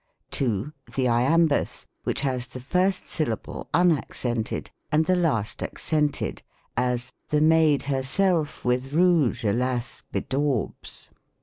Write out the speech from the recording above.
2. The Iambus, which has the first syllable unac cented, and the last accented : as, " The maid herself with rouge, alas ! bedaubs."